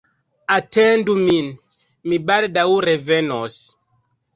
Atendu min, mi baldaŭ revenos.